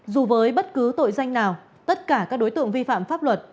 dù với bất cứ tội danh nào tất cả các đối tượng vi phạm pháp luật